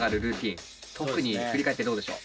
特に振り返ってどうでしょう？